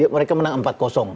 mereka menang empat